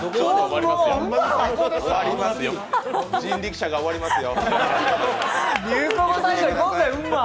人力舎が終わりますよ。